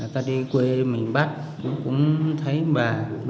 ta đi quê mình bắt cũng thấy bà